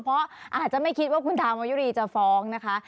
เพราะอาจจะไม่คิดว่าคุณธรรมยุรีจะฟ้องนะคะ